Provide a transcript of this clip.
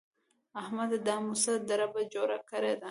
احمده! دا مو څه دربه جوړه کړې ده؟!